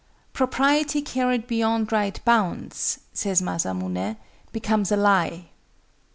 "Propriety carried beyond right bounds," says Masamuné, "becomes a lie."